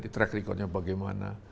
track recordnya bagaimana